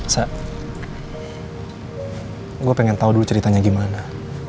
sa gue pengen tau dulu ceritanya gimana